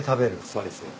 そうですね。